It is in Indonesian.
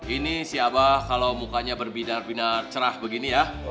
ini siapa kalau mukanya berbinar binar cerah begini ya